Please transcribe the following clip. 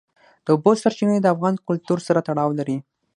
د اوبو سرچینې د افغان کلتور سره تړاو لري.